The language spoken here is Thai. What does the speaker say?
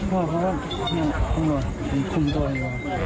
พ่อคุมตัวเอง